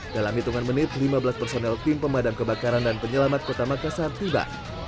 dalam hitungan menit lima belas personel tim pemadam kebakaran dan penyelamat kota makassar tiba